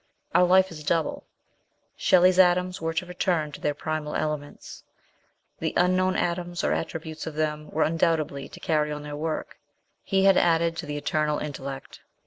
Our life is double. Shelley's atoms were to return to their primal elements. 'The unknown atoms or attributes of them were undoubtedly to carry on their work ; he had added to the eternal intellect.